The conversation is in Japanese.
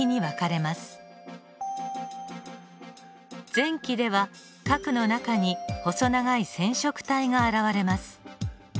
前期では核の中に細長い染色体が現れます。